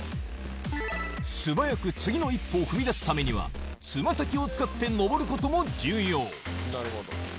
素早く次の一歩を踏み出すためには、つま先を使って登ることも重要。